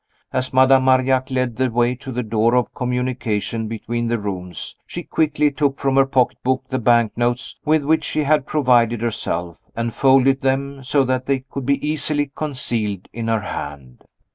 As Madame Marillac led the way to the door of communication between the rooms, she quickly took from her pocketbook the bank notes with which she had provided herself, and folded them so that they could be easily concealed in her hand.